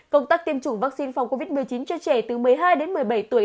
công tác tiêm chủng vaccine phòng covid một mươi chín cho trẻ từ một mươi hai đến một mươi bảy tuổi